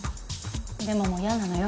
でももう嫌なのよ